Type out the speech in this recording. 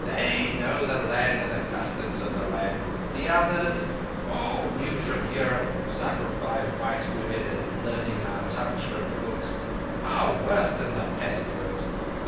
They know the land and the customs of the land. The others, all new from Europe, suckled by white women and learning our tongues from books, are worse than the pestilence.